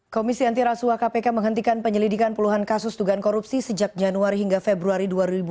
komisi anti rasuah kpk menghentikan penyelidikan puluhan kasus dugaan korupsi sejak januari hingga februari dua ribu dua puluh